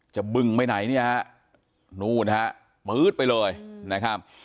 บึงไปไหนเนี่ยฮะนู่นฮะปื๊ดไปเลยนะครับ